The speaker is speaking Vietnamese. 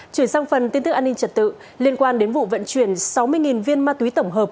chuyển sang phần tin tức an ninh trật tự liên quan đến vụ vận chuyển sáu mươi viên ma túy tổng hợp